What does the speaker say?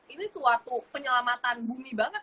ini suatu penyelamatan bumi banget